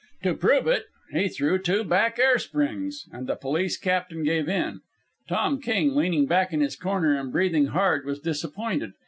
To prove it, he threw two back air springs, and the police captain gave in. Tom King, leaning back in his corner and breathing hard, was disappointed.